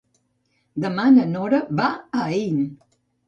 Demà na Nora va a Aín.